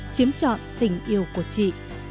chiếm chọn tình yêu của chị